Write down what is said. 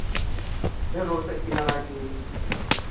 ไม่รู้จะกินอะไรดี